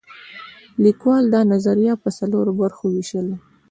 لیکوال دا نظریه په څلورو برخو ویشلې.